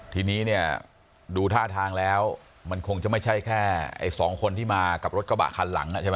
ทีนี้เนี่ยดูท่าทางแล้วมันคงจะไม่ใช่แค่ไอ้สองคนที่มากับรถกระบะคันหลังใช่ไหม